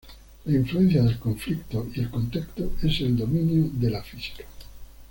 La influencia del conflicto y el contexto en el dominio de la física".